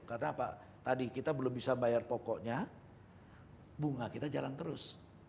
karena apa tadi kita belum bisa bayar pokoknya bunga kita jalan terus